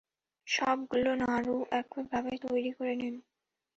সবগুলো নাড়ু একইভাবে তৈরি করে নিন।